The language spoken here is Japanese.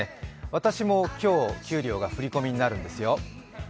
私も今日、給料が振り込みになるんですよ。